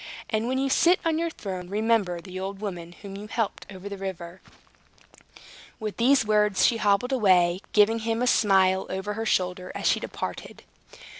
And when you sit on your throne remember the old woman whom you helped over the river." With these words, she hobbled away, giving him a smile over her shoulder as she departed.